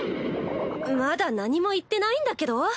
まだ何も言ってないんだけど。